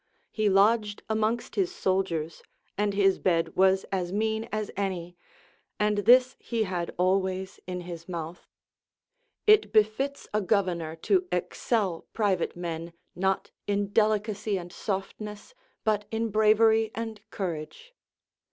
He lodged amongst his soldiers, and his bed Avas as mean as any ; and this he had always in his mouth : It befits a governor to excel private men not in delicacy and softness, but in bravery and courage.